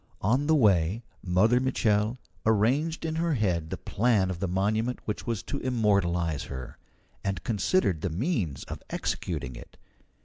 On the way Mother Mitchel arranged in her head the plan of the monument which was to immortalize her, and considered the means of executing it.